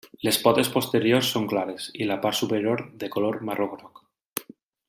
Les potes posteriors són clares i la part superior de color marró groc.